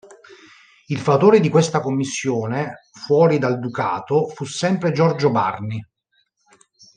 Il fautore di questa commissione fuori dal ducato fu sempre Giorgio Barni.